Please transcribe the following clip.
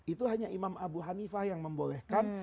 itu hanya imam abu hanifah yang membolehkan